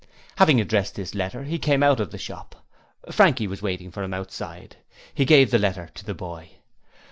Having addressed the letter he came out of the shop; Frankie was waiting for him outside. He gave the letter to the boy.